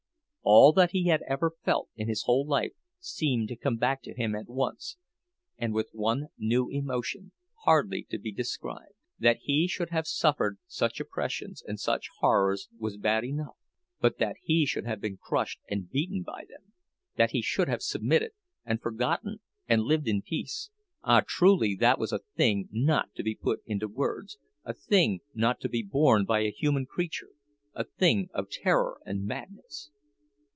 All that he had ever felt in his whole life seemed to come back to him at once, and with one new emotion, hardly to be described. That he should have suffered such oppressions and such horrors was bad enough; but that he should have been crushed and beaten by them, that he should have submitted, and forgotten, and lived in peace—ah, truly that was a thing not to be put into words, a thing not to be borne by a human creature, a thing of terror and madness!